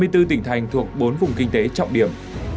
hai mươi bốn tỉnh thành thuộc bốn vùng kinh tế trọng điểm